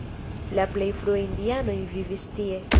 La plej frue indianoj vivis tie.